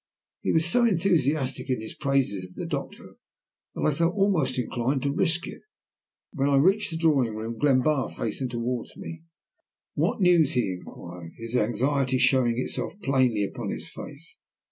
He was so enthusiastic in his praises of the doctor that I felt almost inclined to risk it. When I reached the drawing room Glenbarth hastened towards me. "What news?" he inquired, his anxiety showing itself plainly upon his face.